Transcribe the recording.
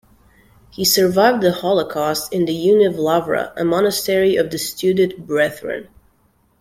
He survived the Holocaust in the Univ Lavra, a monastery of the Studite Brethren.